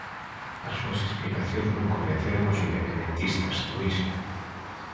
As súas explicacións non convenceron aos independentistas, Luís...